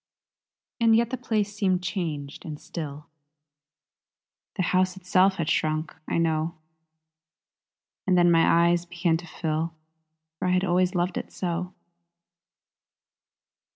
And yet the place seemed changed and still; The house itself had shrunk, I know. And then my eyes began to fill For I had always loved it so!